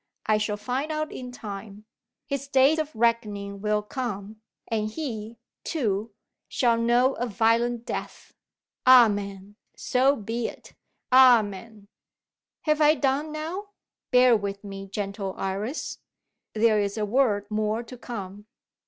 I shall find out in time. His day of reckoning will come, and he, too, shall know a violent death! Amen. So be it. Amen. "Have I done now? Bear with me, gentle Iris there is a word more to come.